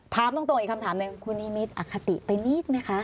ถามตรงอีกคำถามหนึ่งคุณนิมิตรอคติไปนิดไหมคะ